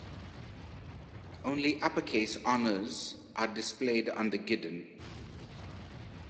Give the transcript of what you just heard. Only uppercase honours are displayed on the guidon.